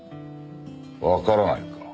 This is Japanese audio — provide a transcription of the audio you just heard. わからないか。